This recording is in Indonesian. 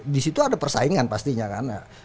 di situ ada persaingan pastinya kan